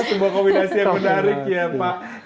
sebuah kombinasi yang menarik ya pak